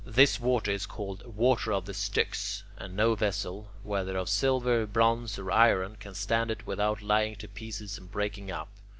This water is called "Water of the Styx," and no vessel, whether of silver, bronze, or iron, can stand it without flying to pieces and breaking up.